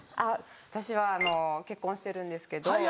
私は結婚してるんですけど。